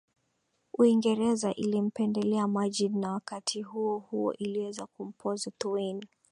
Uingereza ilimpendelea Majid na wakati huohuo iliweza kumpoza Thuwain